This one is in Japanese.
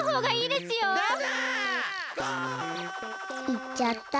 いっちゃった。